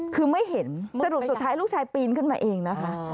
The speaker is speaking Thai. คือไม่เห็นสรุปสุดท้ายลูกชายปีนขึ้นมาเองนะคะ